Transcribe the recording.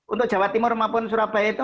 untuk jawa timur maupun surabaya itu